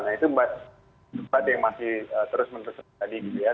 nah itu sebuah tempat yang masih terus meneruskan tadi gitu ya